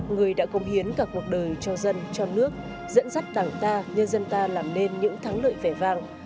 người đã công hiến cả cuộc đời cho dân cho nước dẫn dắt đảng ta nhân dân ta làm nên những thắng lợi vẻ vàng